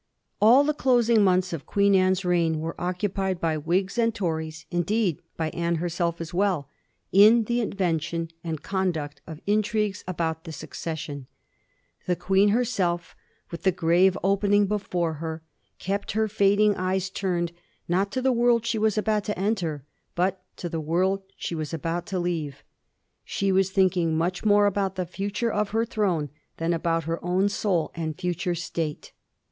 All the closing months of Queen Anne's reign were occupied by Whigs and Tories, and indeed by Anne herself as well, in the invention and conduct of in trigues about the succession. The Queen herseK, with the grave opening before her, kept her &ding eyes turned, not to the world she was about to enter, but to the world she was about to leave. She was thinking much more about the foture of her throne than about her own soul and future state.